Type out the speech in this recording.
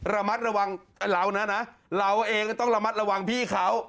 ระมัดระวังเรานะนะเราเองก็ต้องระมัดระวังพี่เขา